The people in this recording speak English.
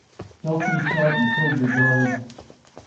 Felton shot and killed the dog.